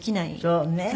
そうね。